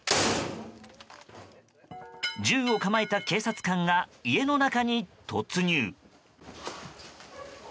銃を構えた警察官が家の中に突入。